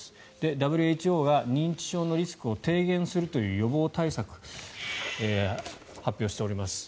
ＷＨＯは認知症のリスクを低減するという予防対策を発表しております。